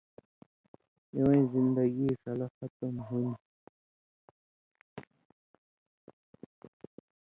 اِوَیں زندگی ݜلہ ختم ہُون٘دیۡ